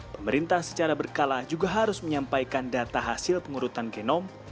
pemerintah secara berkala juga harus menyampaikan data hasil pengurutan genom